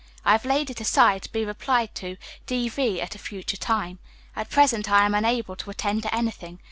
I have laid it aside, to be replied to, D.V., at a future time. At present I am unable to attend to anything.